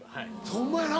ホンマやな。